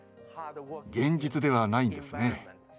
現実ではないんですね。